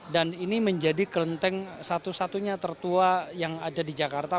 ini menjadi kelenteng satu satunya tertua yang ada di jakarta